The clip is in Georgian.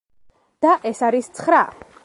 და ეს არის ცხრა.